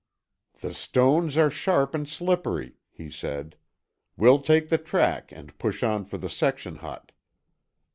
"The stones are sharp and slippery," he said. "We'll take the track and push on for the section hut."